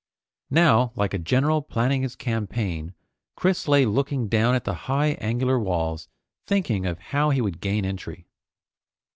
Now, like a general planning his campaign, Chris lay looking down at the high angular walls, thinking of how he would gain entry.